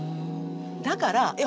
だからえっ